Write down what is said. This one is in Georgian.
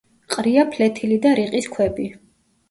ყრია ფლეთილი და რიყის ქვები.